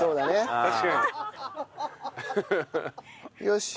よし。